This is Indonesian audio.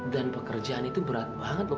dan pekerjaan itu berat banget loh